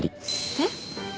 えっ？